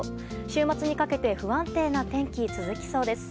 週末にかけて不安定な天気、続きそうです。